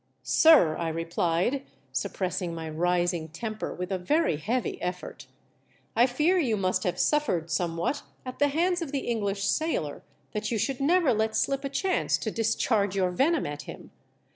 "Sir." I replied, suppressing my rising temper with a very heavy effort, " I fear you must have suffered somewhat at the hands of the English sailor that you should never let slip a chance to discharge your venom at him.